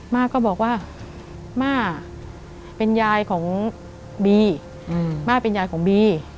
่าก็บอกว่าม่าเป็นยายของบีม่าเป็นยายของบี